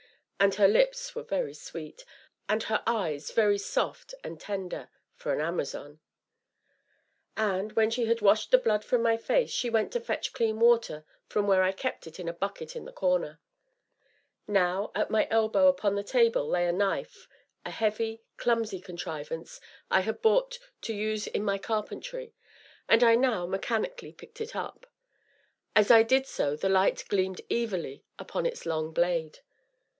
And her lips were very sweet, and her eyes very soft and tender for an Amazon. And, when she had washed the blood from my face, she went to fetch clean water from where I kept it in a bucket in the corner. Now, at my elbow, upon the table, lay the knife, a heavy, clumsy contrivance I had bought to use in my carpentry, and I now, mechanically, picked it up. As I did so the light gleamed evilly upon its long blade.